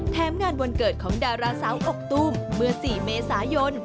แถมงานวันเกิดของดาราสาวอกตุ้มเมื่อ๔เมษายน